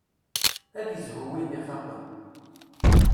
Ad izhu win ixaqen.